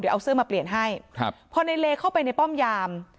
เดี๋ยวเอาเสื้อมาเปลี่ยนให้พอนายเลเข้าไปในป้อมยาม